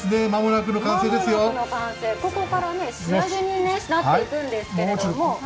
ここから仕上げになっていくんですが。